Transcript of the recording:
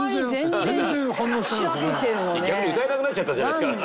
逆に歌えなくなっちゃったんじゃないですか？